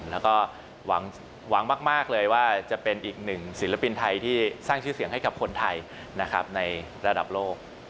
แล้วก็หวังมากเลยว่าจะเป็นอีกหนึ่งศิลปินไทยที่สร้างชื่อเสียงให้กับคนไทยนะครับในระดับโลก